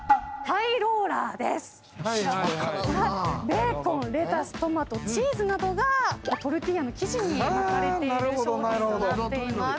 ベーコンレタストマトチーズなどがトルティーヤの生地に巻かれている商品となっています。